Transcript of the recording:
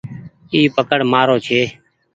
اي پڪڙ مآرو ڇي ۔